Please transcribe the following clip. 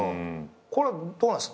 これどうなんですか？